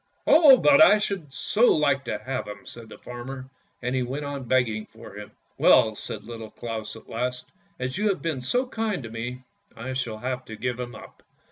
" Oh, but I should so like to have him," said the farmer, and he went on begging for him. " Well," said Little Claus at last, " as you have been so kind to me I shall have to give him up.